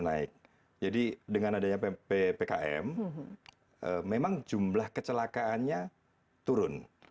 naik jadi dengan adanya ppkm memang jumlah kecelakaannya turun